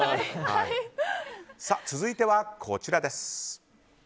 続いては、こちらです。